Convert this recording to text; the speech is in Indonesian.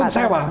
itu pun sewa